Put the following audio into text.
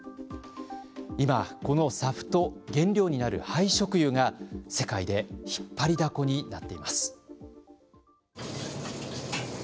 今、このＳＡＦと原料になる廃食油が世界で引っ張りだこになっています。